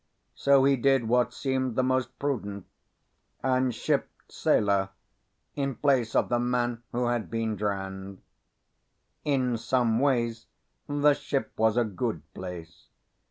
So he did what seemed the most prudent, and shipped sailor in the place of the man who had been drowned. In some ways the ship was a good place.